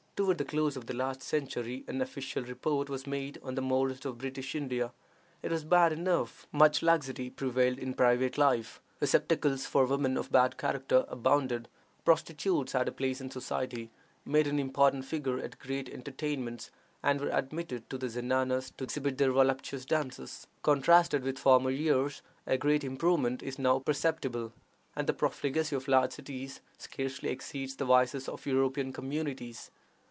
Toward the close of the last century an official report was made on the morals of British India. It was bad enough: much laxity prevailed in private life; receptacles for women of bad character abounded; prostitutes had a place in society, made an important figure at great entertainments, and were admitted to the zenanas to exhibit their voluptuous dances. Contrasted with former years, a great improvement is now perceptible, and the profligacy of large cities scarcely exceeds the vices of European communities.